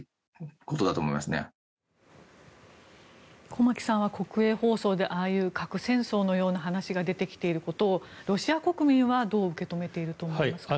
駒木さんは国営放送でああいう核戦争のような話が出てきていることをロシア国民はどう受け止めていると思いますか？